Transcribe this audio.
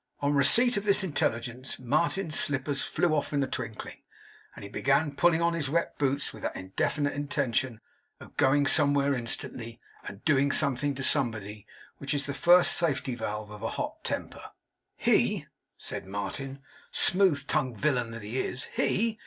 On receipt of this intelligence, Martin's slippers flew off in a twinkling, and he began pulling on his wet boots with that indefinite intention of going somewhere instantly, and doing something to somebody, which is the first safety valve of a hot temper. 'He!' said Martin, 'smooth tongued villain that he is! He!